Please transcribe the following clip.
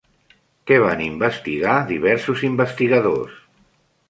Què van investigar diversos investigadors?